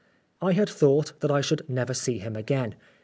I had thought that I should never see him again.